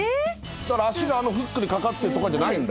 足がフックに掛かってるとかじゃないんだ。